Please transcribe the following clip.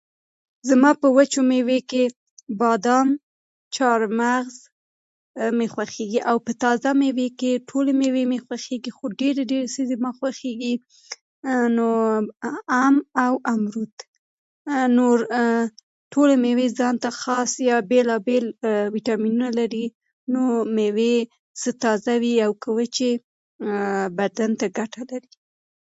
زما په وچو میوو کې بادام، چهارمغز مې خوښېږي او په تازه میوې کې ټولې ميوې مې خوښېږي خو ډېرې ډېرې چې ما خوښېږي ام او امبروت نور ټولې میوې ځان ته خاص یا بیلابیل ويټامينونه لري نو میوې که تازه وي یا وچې بدن ته ګټه لري.